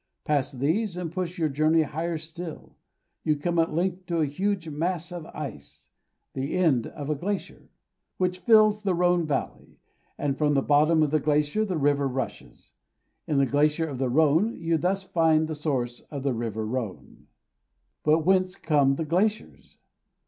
Pass these, and push your journey higher still. You come at length to a huge mass of ice the end of a glacier which fills the Rhone valley, and from the bottom of the glacier the river rushes. In the glacier of the Rhone you thus find the source of the river Rhone. But whence come the glaciers?